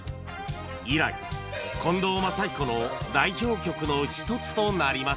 以来近藤真彦の代表曲の一つとなりました